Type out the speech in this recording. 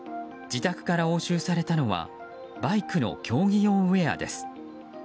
自宅から押収されたのはバイクの競技用ウェアです。